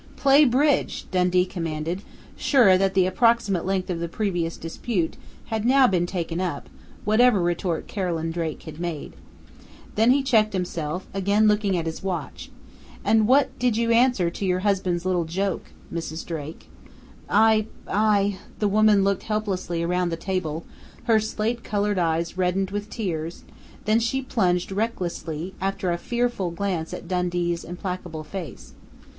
"Play bridge!" Dundee commanded, sure that the approximate length of the previous dispute had now been taken up, whatever retort Carolyn Drake had made. Then he checked himself, again looking at his watch: "And just what did you answer to your husband's little joke, Mrs. Drake?" "I I " The woman looked helplessly around the table, her slate colored eyes reddened with tears, then she plunged recklessly, after a fearful glance at Dundee's implacable face.